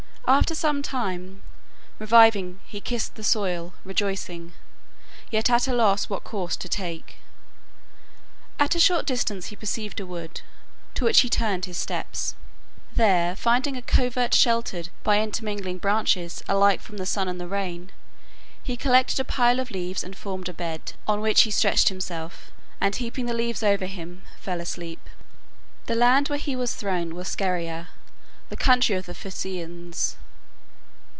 After some time, reviving, he kissed the soil, rejoicing, yet at a loss what course to take. At a short distance he perceived a wood, to which he turned his steps. There, finding a covert sheltered by intermingling branches alike from the sun and the rain, he collected a pile of leaves and formed a bed, on which he stretched himself, and heaping the leaves over him, fell asleep. The land where he was thrown was Scheria, the country of the Phaeacians.